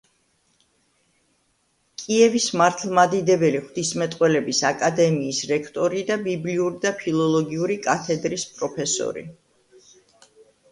კიევის მართლმადიდებელი ღვთისმეტყველების აკადემიის რექტორი და ბიბლიური და ფილოლოგიური კათედრის პროფესორი.